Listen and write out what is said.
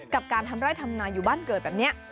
กับการทำร่ายทำงานอยู่บ้านเกิดแบบเนี่ย